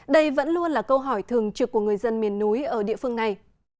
đây vẫn luôn là câu hỏi thường trực của người dân miền núi ở địa phương này